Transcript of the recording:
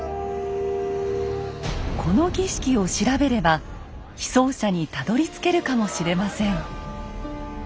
この儀式を調べれば被葬者にたどりつけるかもしれません。